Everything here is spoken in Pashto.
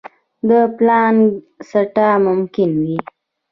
د پلانک سټار ممکن وي.